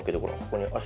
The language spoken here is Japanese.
ここに足。